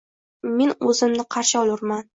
Mening o’zim qarshi olurman.